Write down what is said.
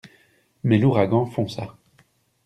Mais l'ouragan fonça.